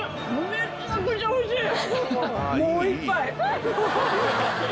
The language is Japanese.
めちゃくちゃおいしい！